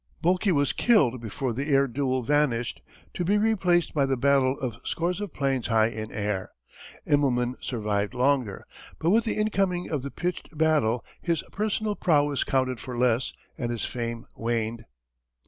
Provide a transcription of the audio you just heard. Boelke was killed before the air duel vanished to be replaced by the battle of scores of planes high in air. Immelman survived longer, but with the incoming of the pitched battle his personal prowess counted for less and his fame waned.